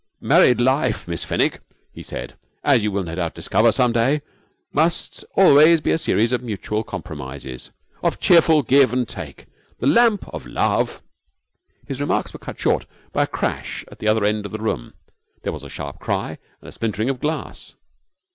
'Married life, Miss Fenwick,' he said, 'as you will no doubt discover some day, must always be a series of mutual compromises, of cheerful give and take. The lamp of love ' His remarks were cut short by a crash at the other end of the room. There was a sharp cry and the splintering of glass.